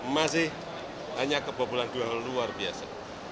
satu ratus empat puluh sembilan masih hanya kebobolan dua luar biasa